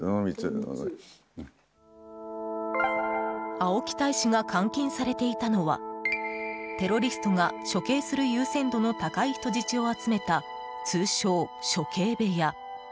青木大使が監禁されていたのはテロリストが処刑する優先度の高い人質を集めた、通称・処刑部屋。